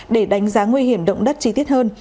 để đánh giá nguy hiểm động đất chi tiết hơn